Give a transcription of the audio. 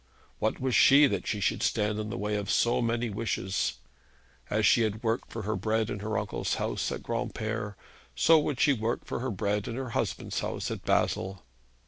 What was she that she should stand in the way of so many wishes? As she had worked for her bread in her uncle's house at Granpere, so would she work for her bread in her husband's house at Basle.